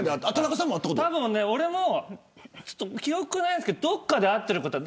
たぶん俺も記憶がないんですけどどこかで会ってると思う。